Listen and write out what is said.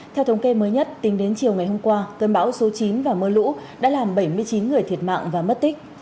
theo thống kê mới nhất tính đến chiều ngày hôm qua cơn bão số chín và mưa lũ đã làm bảy mươi chín người thiệt mạng và mất tích